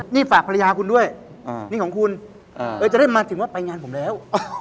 นี่ฝากภรรยาคุณด้วยนี่ของคุณจะได้มาถึงว่าไปงานผมแล้ว